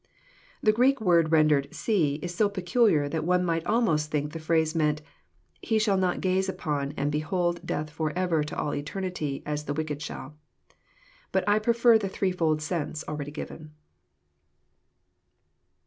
The Greek word rendered " see " is so peculiar that one might almost think the phrase meant, '' he shall not gaze upon and behold death forever to all eternity, as the wicked shall." But I prefer the threefold sense already given.